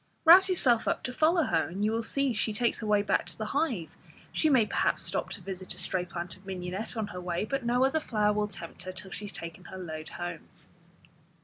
Rouse yourself up to follow her, and you will see she takes her way back to the hive. She may perhaps stop to visit a stray plant of mignonette on her way, but no other flower will tempt her till she has taken her load home.